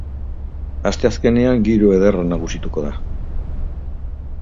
Asteazkenean giro ederra nagusituko da.